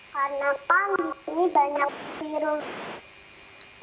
karena pak emang ini banyak virus